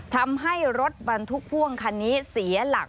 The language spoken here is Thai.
ทำให้รถบรรทุกพ่วงคันนี้เสียหลัก